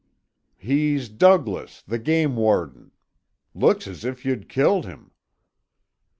"He's Douglas, the game warden. Looks as if you'd killed him."